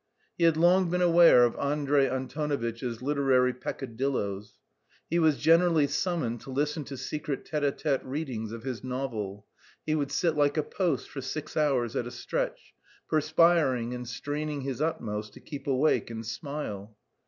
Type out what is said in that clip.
He had long been aware of Andrey Antonovitch's literary peccadilloes. He was generally summoned to listen to secret tête à tête readings of his novel; he would sit like a post for six hours at a stretch, perspiring and straining his utmost to keep awake and smile.